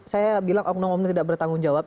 saya bilang oknum oknum tidak bertanggung jawab